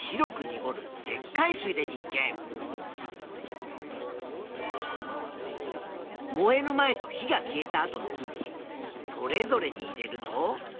燃える前と火が消えた後の空気それぞれに入れると。